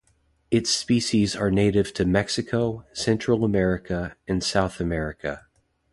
Its species are native to Mexico, Central America, and South America.